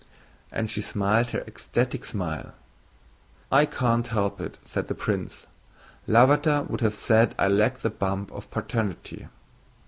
And she smiled her ecstatic smile. "I can't help it," said the prince. "Lavater would have said I lack the bump of paternity."